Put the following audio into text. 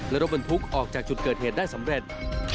และรถบรรทุกออกจากจุดเกิดเหตุได้สำเร็จ